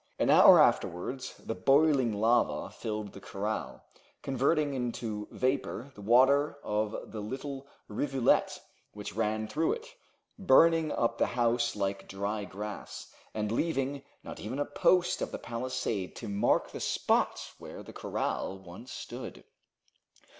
An hour afterwards the boiling lava filled the corral, converting into vapor the water of the little rivulet which ran through it, burning up the house like dry grass, and leaving not even a post of the palisade to mark the spot where the corral once stood.